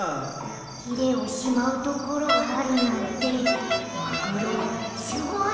ヒレをしまうところがあるなんてマグロすごい！